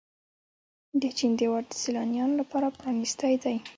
د چین دیوار د سیلانیانو لپاره پرانیستی دی.